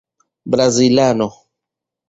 brazilano